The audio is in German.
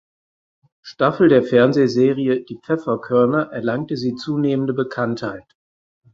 Staffel der Fernsehserie Die Pfefferkörner erlangte sie zunehmende Bekanntheit.